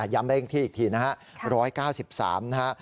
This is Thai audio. ย้ำได้ที่อีกทีนะฮะ๑๙๓นะฮะ